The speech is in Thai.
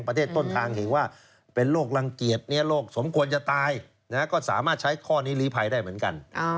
ประเทศต้นทางเห็นว่าเป็นโรครังเกียจโรคสมควรจะตายก็สามารถใช้ข้อนี้ลีภัยได้เหมือนกัน